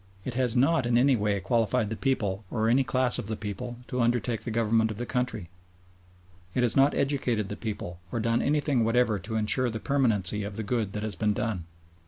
It has not in any way qualified the people or any class of the people to undertake the government of the country. It has not educated the people, or done anything whatever to ensure the permanency of the good that has been done.